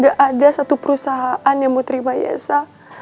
gak ada satu perusahaan yang mau terima yesa